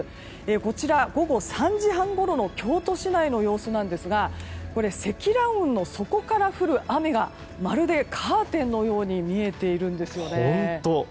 こちら、午後３時半ごろの京都市内の様子なんですが積乱雲の底から降る雨がまるでカーテンのように見えているんです。